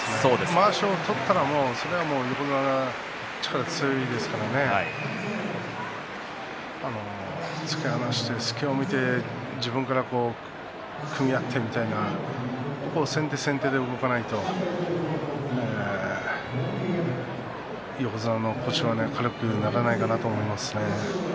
まわしを取ったらそれは横綱が力が強いですから突き放して、隙を見て自分から組み合ってみたいな先手先手で動かないと横綱の腰は軽くならないかなと思いますね。